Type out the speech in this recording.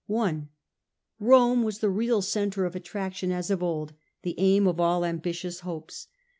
(i) Rome was the real centre of attraction as of old, the aim of all ambitious hopes.